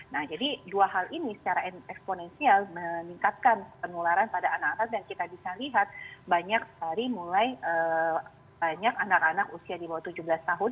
nah jadi dua hal ini secara eksponensial meningkatkan penularan pada anak anak dan kita bisa lihat banyak dari mulai banyak anak anak usia di bawah tujuh belas tahun